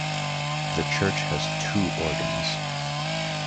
The church has two organs.